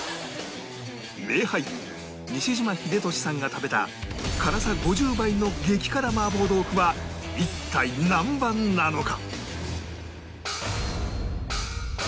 名俳優西島秀俊さんが食べた辛さ５０倍の激辛麻婆豆腐は一体何番なのか？